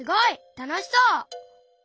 たのしそう。